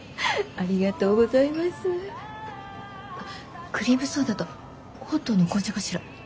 あクリームソーダとホットの紅茶かしら？